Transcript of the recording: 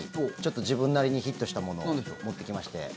自分なりにヒットしたものを持ってきまして。